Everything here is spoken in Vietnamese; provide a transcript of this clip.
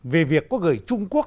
về việc có gửi trung quốc